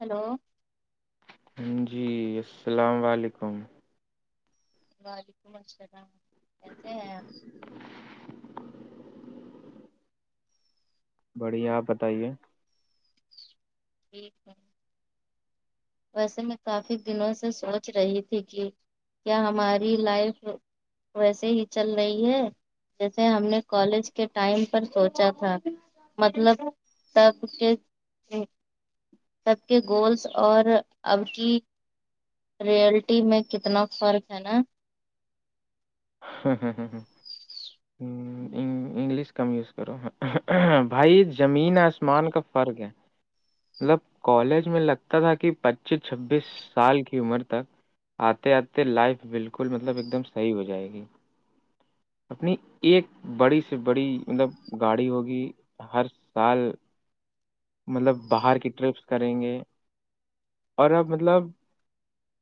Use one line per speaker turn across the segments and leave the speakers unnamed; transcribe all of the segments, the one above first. hello
جی السلام و علیکم
وعلیکم السلام کیسے ہیں
بڑھیا آپ بتائیے
ٹھیک ہے ویسے میں کافی دنوں سے سوچ رہی تھی کہ کیا ہماری لائف ویسے ہی چل رہی ہے جیسے ہم نے کالج کے ٹائم پر سوچا تھا مطلب سب کے سب کے گولس اور اب کی رئلٹی میں کتنا فرق ہے نا
ہمم انگلش کم یوز کرو بھائی زمین آسمان کا فرق ہے مطلب کالج میں لگتا تھا کہ پچیس چھبیس سال کی عمر تک آتے آتے لائف بالکل مطلب ایک دم صحیح ہو جائے گی اپنی ایک بڑی سے بڑی مطلب گاڑی ہوگی ہر سال مطلب باہر کی ٹرپس کریں گے اور اب مطلب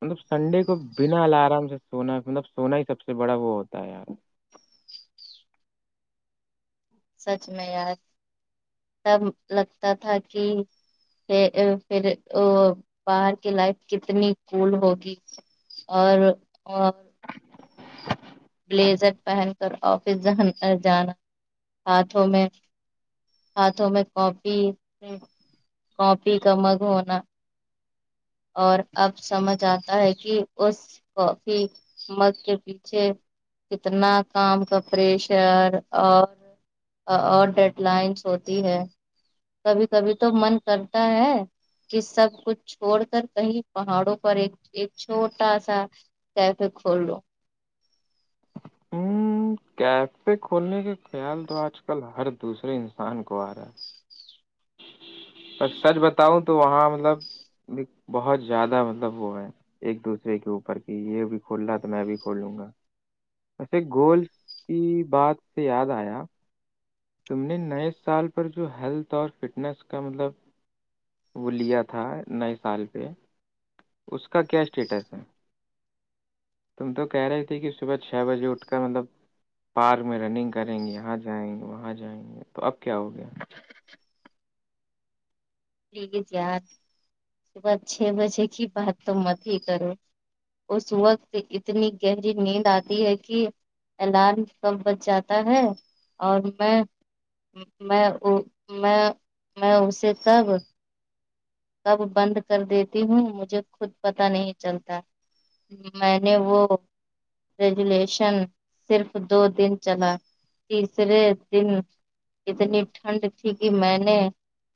مطلب سنڈے کو بنا الارام سے سونا مطلب سونا ہی سب سے بڑا وہ ہوتا ہے یار
سچ میں یار تب لگتا تھا کہ پھر ا باہر کی لائف کتنی کول ہوگی اور بلیزر پہن کر آفس جا جانا ہاتھوں میں ہاتھوں میں کاپی کاپی کا مگ ہونا اور اب سمجھ آتا ہے کہ اس کافی مگ کے پیچھے کتنا کام کا پریشر اور اور ڈیڈ لائنس ہوتی ہے کبھی کبھی تو من کرتا ہے کہ سب کچھ چھوڑ سر کہیں پہاڑوں پر ایک ایک چھوٹا سا کیفے کھول لو
ہمم کیفے کھولنے کا خیال تو آج کل ہر دوسرے انسان کو آ رہا ہے پر سچ بتاؤ تو وہاں مطلب بہت زیادہ مطلب وہ ہے ایک دوسرے کے اوپر کی یہ بھی کھول رہ ہے تو میں بھی کھول لوں گا ویسے گولس کی بات سے یاد آیا تم نے نئے سال پر جو ہیلتھ اور فٹنس کا مطلب وہ لیا تھا نئے سال پہ اس کا کیا اسٹیٹس ہے تم تو کہہ رہی تھی کہ صبح چھ بجے اٹھ کر مطلب پارک میں رننگ کریں گے یہاں جائیں گے وہاں جائیں گے تو اب کیا ہو گیا
پلیز یار صبح چھ بجے کی بات تو مت ہی کرو اس وقت اتنی گہری نیند آتی ہے کہ الارم کب بچ جاتا ہے اور میں میں او میں میں اسے تب کب بند کر دیتی ہوں مجھے خود پتا نہیں چلتا میں نے وہ ریجولیشن صرف دو دن چلا تیسرے دن اتنی ٹھنڈ تھی کہ میں نے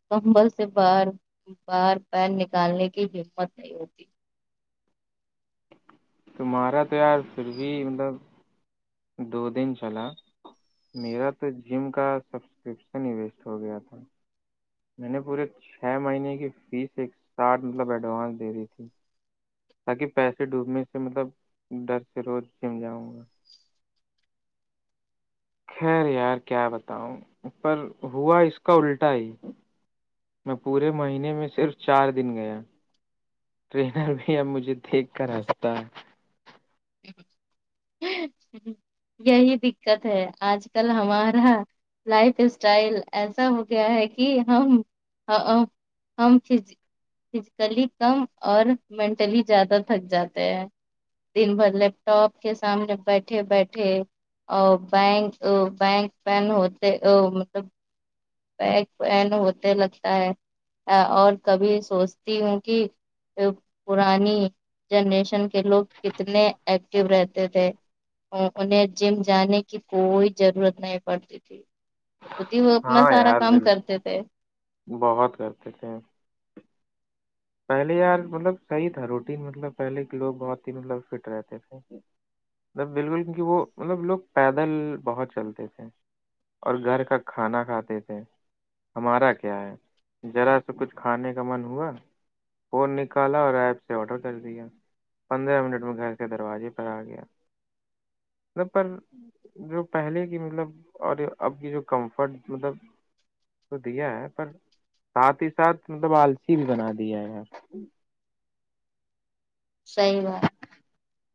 کمبل سے باہر باہر پیر نکالنے کی ہمت نہیں ہوتی
تمہارا تو یار پھر بھی مطلب دو دن چلا میرا تو جم کا سبسکرپشن ہی ویسٹ ہو گیا تھا میں نے پورے چھ مہینے کی فیس ایک ساھ مطلب ایڈوانس دے دی تھی تاکہ پیسے ڈوبنے سے مطلب ڈر سے روز جم جاؤں گا خیر یار کیا بتاؤں پر ہوا اس کا الٹا ہی میں پورے مہینے میں صرف چار دن گیا ٹرینر بھی اب مجھے دیکھ کر ہنستا ہے
یہی دقت ہے آج کل ہمارا لائف اسٹائل ایسا ہو گیا ہے کہ ہم ہم ف فزیکلی کم اور مینٹلی زیادہ تھک جاتے ہیں دن بھر لپ ٹاپ کے سامنے بیٹھے بیٹھے او بینک او بینک پین ہوتے او مطلب بیک پین ہوتے لگتا ہے اور کبھی سوچتی ہوں کہ پرانی جنریشن کے لوگ کتنے ایکٹو رہتے تھے انہیں جم جان کی کوئی ضرورت نہیں پڑتی تھی خود ہی وہ اپنا
ہاں
سارا
یار
کام
بل
کرتے تھے
بہت کرتے تھے پہلے یار مطلب سہی تھا روٹین مطلب پہلے کے لوگ بہت ہی مطلب فٹ رہتے تھے بالکل کیونکہ وہ مطلب لوگ پیدل بہت چلتے تھے اور گھر کا کھانا کھاتے تھے ہمارا کیا ہے ذرا سا کچھ کھانے کا من ہوا فون نکالا اور ایپ سے آڈر کر دیا پندرہ منٹ میں گھر کے دروازے پر آ گیا مت پر جو پہلے کی مطلب اور اب کی جو کمفرٹ مطلب تو دیا ہے پر ساتھ ہی ساتھ مطلب آلسیی بھی بنا دیا ہے
صحی بات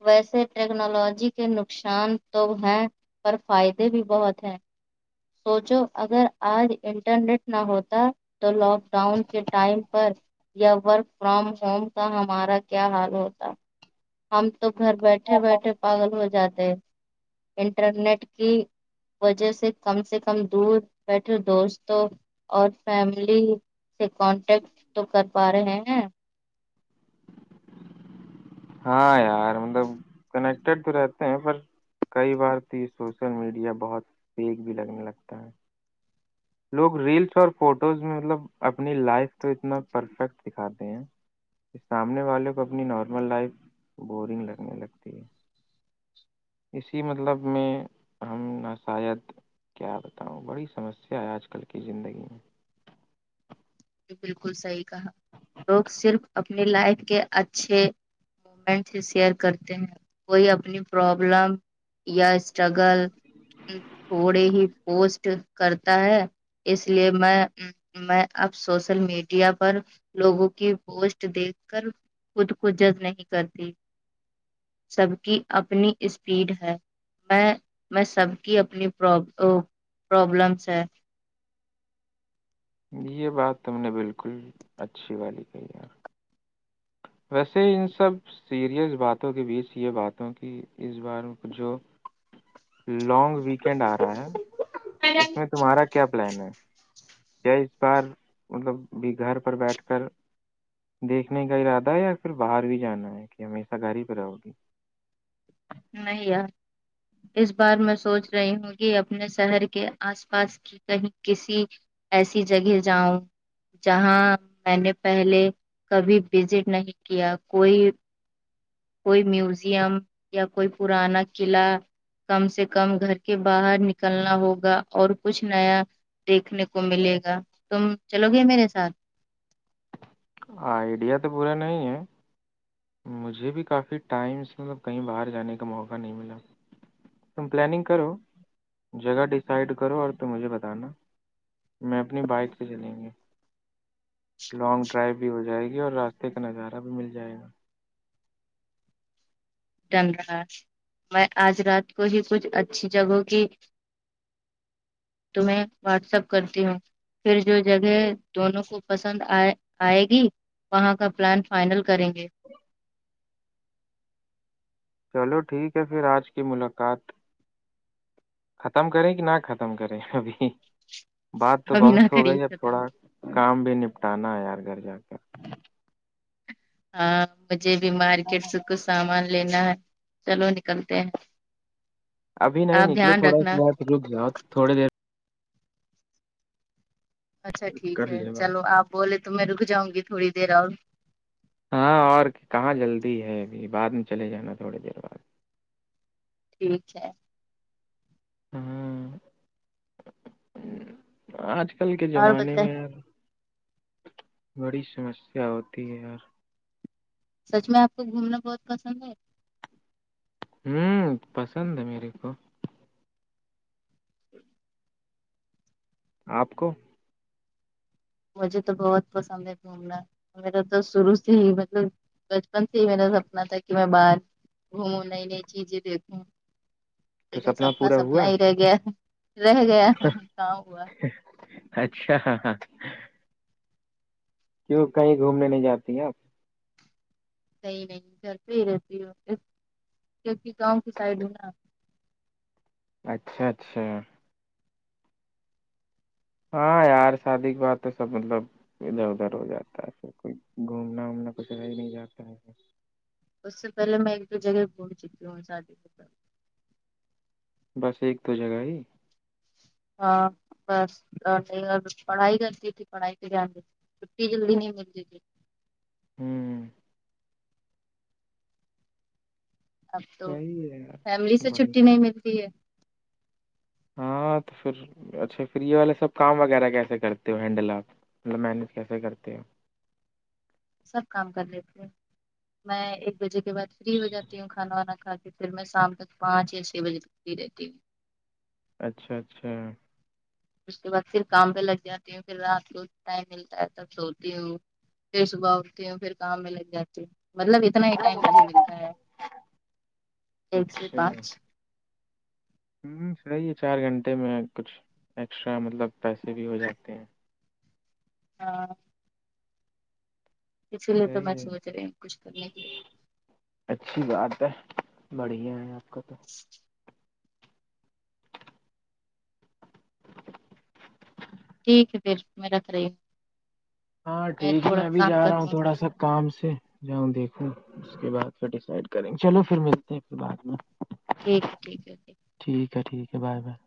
ویسے ٹیکنالوجی کے نقصان تو ہے پر فائدے بھی بہت ہیں سوچو اگر آج انٹرنیٹ نہ ہوتا تو لاک ڈاؤن کے ٹائم پر یا ورک فرام ہوم کا ہمارا کیا حال ہوتا ہم تو گھر بیٹھے بیٹھے پاگل ہو جاتے ہیں انٹرنیٹ کی وجہ سے کم سے کم دور بیٹھے دوستوں اور فیملی سے کانٹیکٹ تو کر پا رہے ہیں
ہاں یار مطلب کنیکٹیڈ تو رہتے ہیں پر کئی بار تو یہ سوشل میڈیا بہت فیک بھی لگنے لگتا ہے لوگ ریلس اور فوٹوز میں مطلب اپنی لائف تو اتنا پرفیکٹ دکھاتے ہیں سامنے والے کو اپنی نارمل لائف بورنگ لگنے لگتی ہے اسی مطلب میں ہم نہ شاید کیا بتاؤں بڑی سمسیا ہے آج کل کی زندگی میں
بالکل صحیح کہا لوگ صرف اپنی لائف کے اچھے شیئر کرتے ہیں کوئی اپنی پرابلم یا اسٹرگل تھوڑے ہی پوسٹ کرتا ہے اس لیے میں میں اب سوشل میڈیا پر لوگوں کی پوسٹ دیکھ کر خود کو جد نہیں کرتی سب کی اپنی اسپیڈ ہے میں میں سب کی اپنی پرا پرابلمس ہے
یہ بات تم نے بالکل اچھی والی کہی ہے ویسے ان سب سیریس باتوں کے بیچ یہ باتوں کی اس بار جو لونگ ویکینڈ آ رہا ہے اس میں تمہارا کیا پلان ہے یا اس بار مطلب بھی گھر پر بیٹھ کر دیکھنے کا ارادہ ہے یا پھر باہر بھی جانا ہے کہ ہمیشہ گھر ہی پہ رہو گی
نہیں یار اس بار میں سونچ رہی ہوں کہ اپنے شہر کے آس پاس کی کہیں کسی ایسی جگہ جاؤں جہاں میں نے پہلے کبھی وزٹ نہیں کیا کوئی کوئی میوزیم یا کوئی پرانا قلعہ کم سے کم گھر کے باہر نکلنا ہوگا اور کچھ نیا دیکھنے کو ملے گا تم چلو گے میرے ساتھ
ہاں آئیڈیا تو بورا نہیں ہے مجھے بھی کافی ٹائم سے مطلب کہی باہر جانے کا موقع نہیں ملا تم پلاننگ کرو جگہ ڈیسائڈ کرو اور تم مجھے بتانا میں اپنی بائک سے چلیںگے لانگ ڈرائیو بھی ہو جائے گی اور راستے کا نظارہ بھی مل جائے گا
ڈن رہا میں آج رات کو ہی کچھ اچھی جگہوں کی تمہیں واٹس اپپ کرتی ہوں پھر جو جگہ دونوں کو پسند آئے آئے گی وہاں کا پلان فائنل کریں گے
چلو ٹھیک ہے پھر آج کی ملاقات ختم کریں کہ نہ ختم کریں ابھی بات تو
ابھی نہ
بہت ہو گئی اب
کریے
تھوڑا
ختم
کام بھی نپٹانا ہے یار گھر جا کر
ہاں مجھے بھی مارکیٹ سے کچھ سامان لینا ہے چلو نکلتے ہیں
ابھی نہیں
آپ
نکلو
دھیان
تھوڑا
رکھنا
سا روک جاؤ تھوڑے دیر
اچھا ٹھیک
کر
ہے
لے بات
چلو آپ بولے تو میں رک جاؤں گی تھوڑی دیر اور
ہاں اور کہاں جلدی ہے ابھی بعد میں چلے جانا تھوڑی دیر بعد
ٹھیک ہے
ہاں آج کل کے
اور
زمانے
بتائیں
میں بڑی سمسیا ہوتی ہے یار
سچ میں آپ کو گھومنا بہت پسند ہے
ھمم پسند ہے میرے کو آپ کو
مجھے تو بہت پسند ہے گھومنا میرا تو شروع سے ہی مطلب بچپن سے ہی میرا سپنا تھا کہ میں باہر گھومو نئی نئی چیزیں دیکھوں
تو
لیکن سپنا
پورا
سپنا
ہوا
ہی رہ گیا رہ گیا کہاں ہوا
اچھا ہاں ہاں کیوں کہیں گھومنے نہیں جاتی ہیں آپ
کئی نہیں گھر پہ ہی رہتی ہو کیونکہ گاؤں کی سائڈ ہو نا
اچھا اچھا ہاں یار شادی کی بات تو سب مطلب ادھر ادھر ہو جاتا ہے پھر کوئی گھومنا وومنا کچھ رہ ہی نہیں جاتا ہے
اس سے پہلے میں ایک دو جگہ گھوم چکی ہوں شادی کے
بس ایک دو جگہ ہی
ہاں بس اور پڑھائی کرتی تھی پڑھائی کے دھیان [unintelligible]
ہوں
اب تو
صحیح ہے
فیملی
یار
سے
بڑی
چھٹی نہیں ملتی ہے
ہاں تو پھر اچھا پھر یہ والے سب کام وغیرہ کیسے کرتے ہو ہینڈل آپ مطلب مینج کیسے کرتے ہو
سب کام کر لیتے ہیں میں ایک بجے کے بعد فری ہو جاتی ہوں کھانا وانا کھا کے پھر میں شام تک پانچ یا چھ بجے تک [unintelligible]
اچھا اچھا
اس کے بعد پھر کام پہ لگ جاتی ہوں پھر رات کو ٹائم ملتا ہے تب سوتی ہوں پھر صبح اٹھتی ہوں پھر کام میں لگ جاتی ہیں مطلب اتنا ہی ٹائم مجھے ملتا ہے ایک سے پانچ
ہ صحی ہے چار گھنٹے میں کچھ ایکسٹرا مطلب پیسے بھی ہو جاتے ہیں
ہاں اسی لیے تو
صحیح
میں
ہے
سوچ رہی ہوں کچھ کرنے کے لیے
اچھی بات ہے بڑھیا ہے آپ کا تو
اس ٹھیک ہے پھر میں رکھ رہی ہوں
ہاں ٹھیک ہے
تھوڑا
میں بھی
کام
جا
کر
رہا ہوں
دوں
تھوڑا سا کام سے جاؤں دیکھوں اس کے بعد پھر ڈسائڈ کریں گے چلو پھر ملتے ہیں پھر بعد میں
ٹھیک ہے ٹھیک ہے
ٹھیک ہے ٹھیک ہے بائے بائے